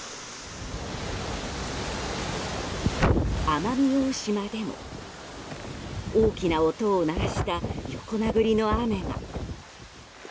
奄美大島でも大きな音を鳴らした横殴りの雨が。